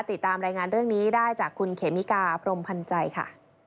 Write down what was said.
ติดตามรายงานเรื่องนี้ได้จากคุณเขมิกาพรมพันธ์ใจค่ะ